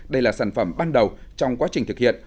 đây là sản phẩm ban đầu trong quá trình thực hiện